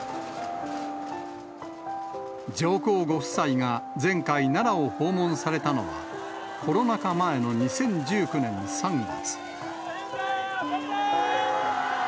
上皇ご夫妻が前回、奈良を訪問されたのは、コロナ禍前の２０１９年３月。